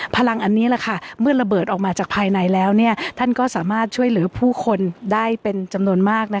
พลังอันนี้เมื่อระเบิดออกมาจากภายในแล้วท่านก็สามารถช่วยเหลือผู้คนได้เป็นจำนวนมาก